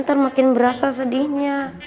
ntar makin berasa sedihnya